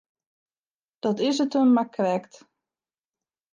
Dat is it him mar krekt.